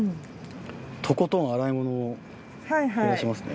とことん洗い物を減らしますね。